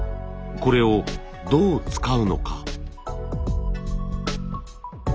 これをどう使うのか。